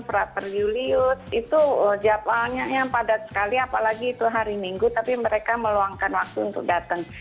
per julius itu jadwalnya yang padat sekali apalagi itu hari minggu tapi mereka meluangkan waktu untuk datang